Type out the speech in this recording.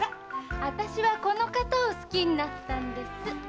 あたしはこの方を好きになったんです！